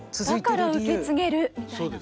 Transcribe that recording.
だから受け継げるみたいな。